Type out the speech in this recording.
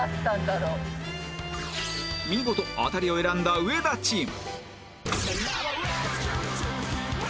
見事アタリを選んだ上田チーム